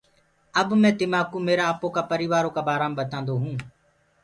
اب مي تماڪوُ ميرآ آپو ڪآ پريٚوآرو ڪآ بارآ مي ٻتاندو هونٚ۔